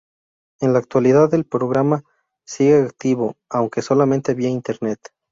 En la actualidad el programa sigue activo, aunque solamente vía Internet.